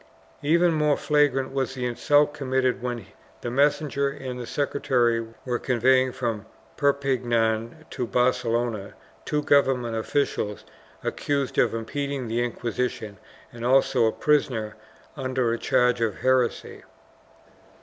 Even more flagrant was the insult committed when the messenger and the secretary were conveying from Perpignan to Barcelona two government officials accused of impeding the Inquisition and also a prisoner under a charge of heresy.